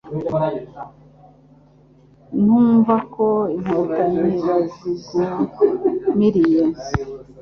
twumva ko [inkotanyi] bazikumiriye